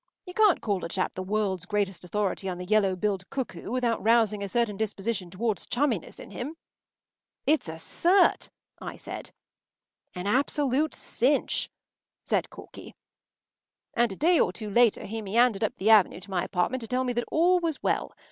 You can’t call a chap the world’s greatest authority on the yellow billed cuckoo without rousing a certain disposition towards chumminess in him. “It’s a cert!” I said. “An absolute cinch!” said Corky. And a day or two later he meandered up the Avenue to my apartment to tell me that all was well.